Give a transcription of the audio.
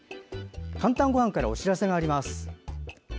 「かんたんごはん」からお知らせがあります。